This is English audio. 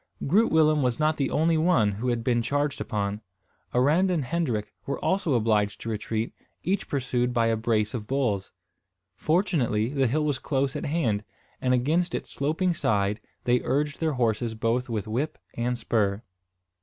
Groot Willem was not the only one who had been charged upon. Arend and Hendrik were also obliged to retreat, each pursued by a brace of bulls. Fortunately the hill was close at hand, and against its sloping side they urged their horses both with whip and spur.